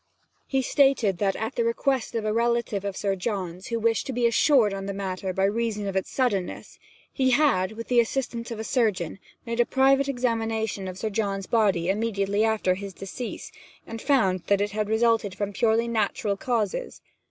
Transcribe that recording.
He stated that, at the request of a relative of Sir John's, who wished to be assured on the matter by reason of its suddenness, he had, with the assistance of a surgeon, made a private examination of Sir John's body immediately after his decease, and found that it had resulted from purely natural causes.